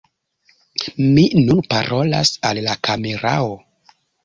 Mi nun parolas al la kamerao!